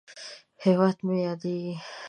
هیواد مې ياديږي